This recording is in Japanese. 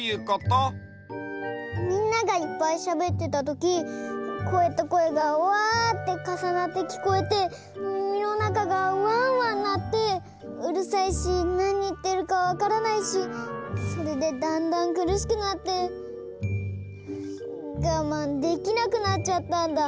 みんながいっぱいしゃべってたときこえとこえがわってかさなってきこえてみみのなかがわんわんなってうるさいしなにいってるかわからないしそれでだんだんくるしくなってがまんできなくなっちゃったんだ。